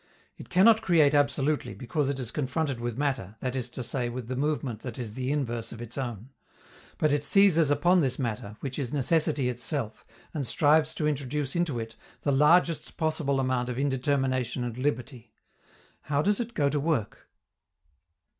It cannot create absolutely, because it is confronted with matter, that is to say with the movement that is the inverse of its own. But it seizes upon this matter, which is necessity itself, and strives to introduce into it the largest possible amount of indetermination and liberty. How does it go to work?